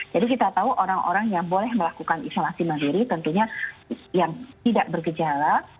jadi kita tahu orang orang yang boleh melakukan isolasi mandiri tentunya yang tidak bergejala